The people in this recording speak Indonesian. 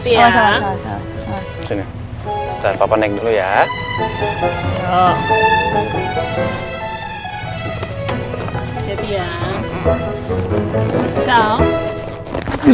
nomor yang anda tuju sedang tidak aktif atau berada di luar service area